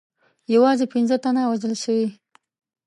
یوازې پنځه تنه وژل سوي.